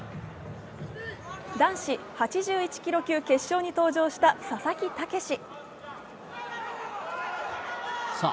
男子８１ｋｇ級決勝に登場した佐々木健志。